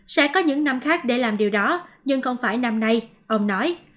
sẽ có những năm khác để làm điều đó nhưng không phải năm nay ông nói